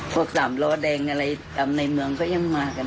พวกสามล้อแดงอะไรตามในเมืองก็ยังมากัน